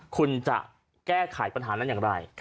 คุณจะแก้ไขปัญหานั้นอย่างไร